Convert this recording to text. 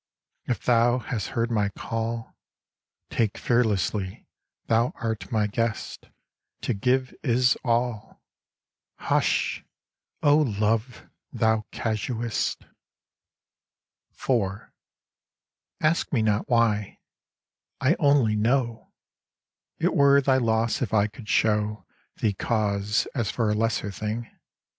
If thou hast heard my call, Take fearlessly, thou art my guest To give is all" Hush! O Love, thou casuist! IV Ask me not why, I only know, It were thy loss if I could show Thee cause as for a lesser thing.